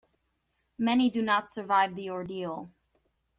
Many do not survive the ordeal.